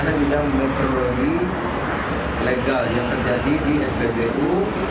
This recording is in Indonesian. tidak perlu lagi legal yang terjadi di spbu